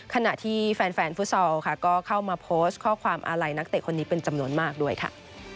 ขณะที่แฟนฟุตซอลค่ะก็เข้ามาโพสต์ข้อความอาลัยนักเตะคนนี้เป็นจำนวนมากด้วยค่ะ